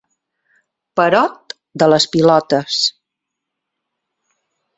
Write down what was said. Perot de les pilotes.